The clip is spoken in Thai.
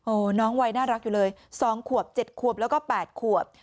น้องวัยน่ารักอยู่เลย๒ขวบ๗ขวบแล้วก็๘ขวบ